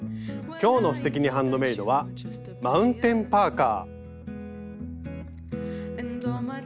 今日の「すてきにハンドメイド」は「マウンテンパーカー」。